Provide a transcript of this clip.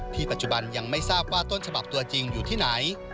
ปัจจุบันยังไม่ทราบว่าต้นฉบับตัวจริงอยู่ที่ไหน